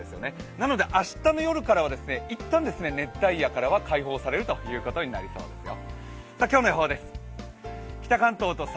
なので明日の夜からは一旦、熱帯夜からは解放されるということになりそうですよ。